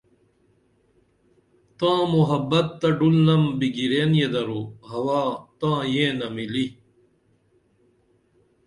تاں محبت تہ ڈُلنم بِگرئین یدرو ہوا تاں یینا مِلی